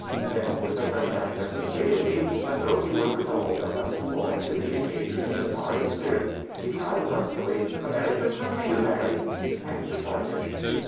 Then,' with a fresh access of gayety, as though he were resolved that nothing foreign to the oc casion should mar its spirit, he cried lustily, " A merry Christmas to you, Mary !" and de parted.